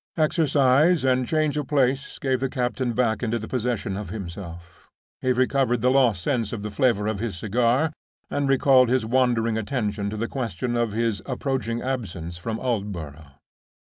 Exercise and change of place gave the captain back into the possession of himself. He recovered the lost sense of the flavor of his cigar, and recalled his wandering attention to the question of his approaching absence from Aldborough.